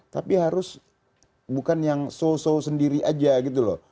tapi harus bukan yang so so sendiri aja gitu loh